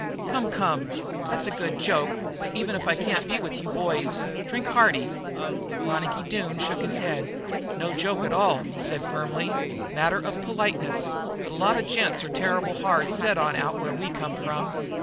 "Come, come! That's a good joke. But, even if I can't be with you, boys, drink hearty." Ronicky Doone shook his head. "No joke at all," he said firmly. "Matter of politeness that a lot of gents are terrible hard set on out where we come from."